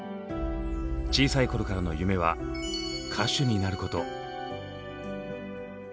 小さい頃からの夢は「歌手になること」。